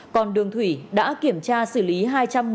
còn đường thủy đã kiểm tra xử lý